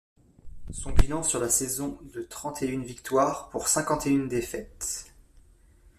Son bilan sur la saison de trente-et-une victoire pour cinquante-et-une défaite.